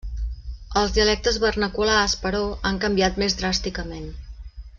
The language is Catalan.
Els dialectes vernaculars, però, han canviat més dràsticament.